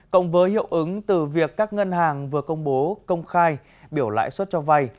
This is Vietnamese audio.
cộng với hiệu ứng từ việc các ngân hàng vừa công bố công khai biểu lãi suất cho vay